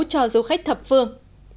cho du khách thập phương